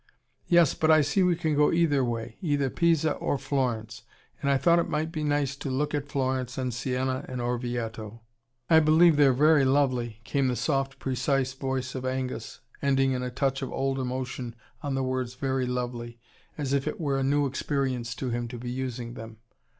"Yes, but I see we can go either way either Pisa or Florence. And I thought it might be nice to look at Florence and Sienna and Orvieto. I believe they're very lovely," came the soft, precise voice of Angus, ending in a touch of odd emotion on the words "very lovely," as if it were a new experience to him to be using them.